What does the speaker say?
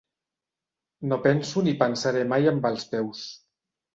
No penso ni pensaré mai amb els peus.